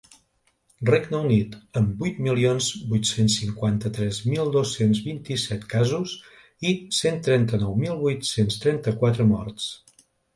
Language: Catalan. Regne Unit, amb vuit milions vuit-cents cinquanta-tres mil dos-cents vint-i-set casos i cent trenta-nou mil vuit-cents trenta-quatre morts.